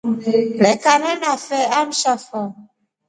Lekana nafe amsha fo.